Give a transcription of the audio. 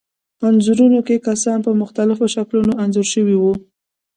انځورونو کې کسان په مختلفو شکلونو انځور شوي وو.